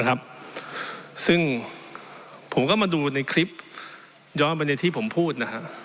นะครับซึ่งผมก็มาดูในคลิปย้อนไปในที่ผมพูดนะฮะ